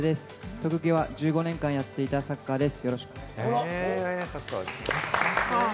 特技は１５年やっていたサッカーです。